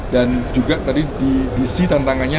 dan juga tadi diisi tantangannya